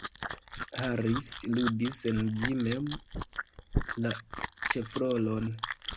Harris ludis en ĝi mem la ĉefrolon.